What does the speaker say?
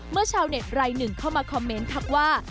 เมื่อชาวเน็ตไร่หนึ่งเข้ามาคอมเมนต์คลักว่า